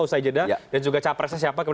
ustaz jeddah dan juga cawapresnya siapa